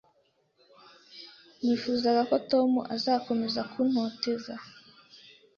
Nifuzaga ko Tom atazakomeza kuntoteza.